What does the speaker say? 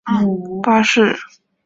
回到一二号巴士站